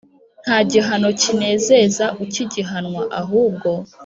Nta gihano kinezeza ukigihanwa ahubwo